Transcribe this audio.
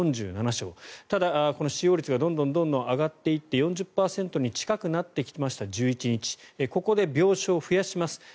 ただ、この使用率がどんどん上がっていって４０％に近くなってきました１１日ここで病床を増やします。